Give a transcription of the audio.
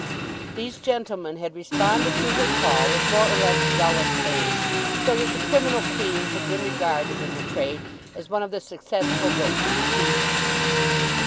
These gentlemen had responded to her call with more or less zealous aid, so that the "Criminal Queens" had been regarded in the trade as one of the successful books of the season.